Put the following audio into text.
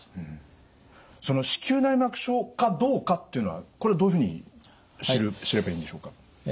その子宮内膜症かどうかっていうのはこれどういうふうに知ればいいんでしょうか？